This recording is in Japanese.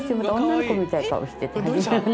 女の子みたいな顔してて。